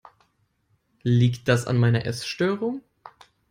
Liegt das an meiner Essstörung?